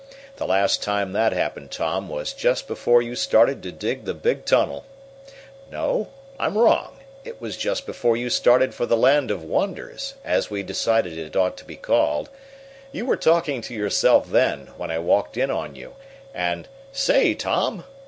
"The last time that happened, Tom, was just before you started to dig the big tunnel No, I'm wrong. It was just before you started for the Land of Wonders, as we decided it ought to be called. You were talking to yourself then, when I walked in on you, and Say, Tom!"